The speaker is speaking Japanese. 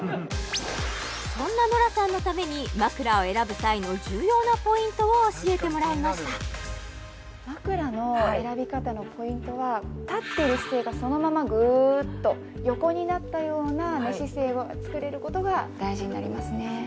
そんなノラさんのために枕を選ぶ際の重要なポイントを教えてもらいました枕の選び方のポイントは立っている姿勢がそのままグーッと横になったような寝姿勢をつくれることが大事になりますね